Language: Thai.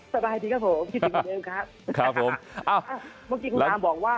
สบายดีครับผมคิดถึงคนเดิมครับ